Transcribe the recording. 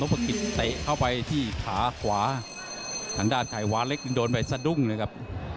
ปากกาเหล็กไข่หวานเล็กครับ